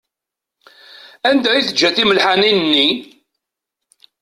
Anda i teǧǧa timelḥanin-nni?